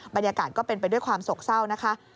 บรรยากาศก็เป็นไปด้วยความโศกเศร้านะคะ